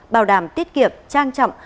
bảo đảm tiết kiệp trang trọng